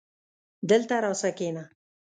دلته راسه کينه